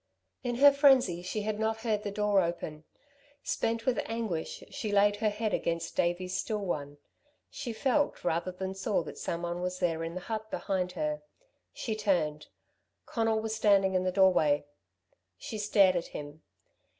In her frenzy she had not heard the door open. Spent with anguish she laid her head against Davey's still one. She felt rather than saw that someone was there in the hut behind her. She turned. Conal was standing in the doorway. She stared at him.